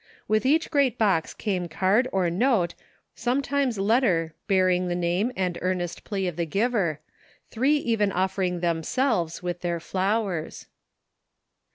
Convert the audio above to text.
With each great box came card or note or sometimes letter bear ing the naipe and earnest plea of the giver, three even offering themselves with their flowers.